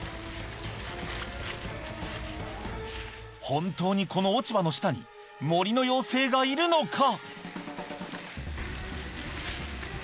本当にこの落ち葉の下に森の妖精がいるのか？